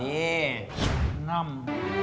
นี่น่ำ